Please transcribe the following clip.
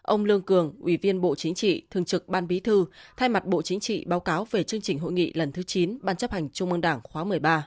ông lương cường ủy viên bộ chính trị thường trực ban bí thư thay mặt bộ chính trị báo cáo về chương trình hội nghị lần thứ chín ban chấp hành trung ương đảng khóa một mươi ba